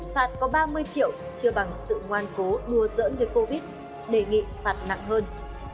phạt có ba mươi triệu chưa bằng sự ngoan cố đua dỡ với covid đề nghị phạt nặng hơn